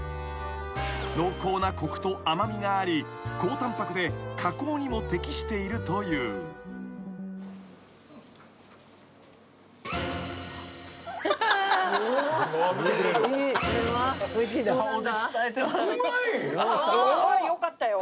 ［濃厚なコクと甘味があり高タンパクで加工にも適しているという］よかったよ。